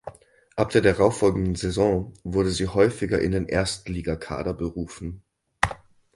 Ab der darauffolgenden Saison wurde sie häufiger in den Erstligakader berufen.